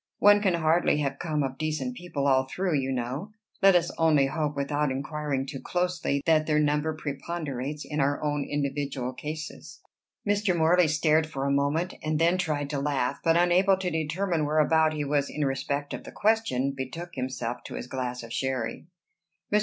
"One can hardly have come of decent people all through, you know. Let us only hope, without inquiring too closely, that their number preponderates in our own individual cases." Mr. Morley stared for a moment, and then tried to laugh, but unable to determine whereabout he was in respect of the question, betook himself to his glass of sherry. Mr.